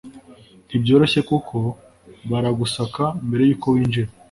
Ntibyoroshye kuko baragusaka mbere yuko winjira